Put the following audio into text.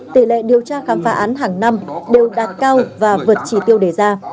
tỷ lệ điều tra khám phá án hàng năm đều đạt cao và vượt chỉ tiêu đề ra